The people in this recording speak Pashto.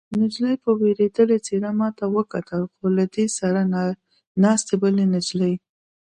نجلۍ په وېرېدلې څېره ما ته وکتل، خو له دې سره ناستې بلې نجلۍ.